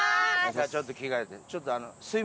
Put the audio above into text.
じゃあちょっと着替えて。